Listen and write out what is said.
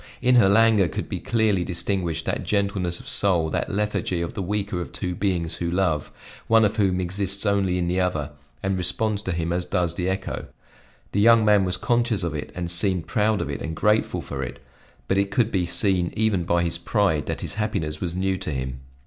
In her languor could be clearly distinguished that gentleness of soul, that lethargy of the weaker of two beings who love, one of whom exists only in the other and responds to him as does the echo. The young man was conscious of it and seemed proud of it and grateful for it; but it could be seen even by his pride that his happiness was new to him.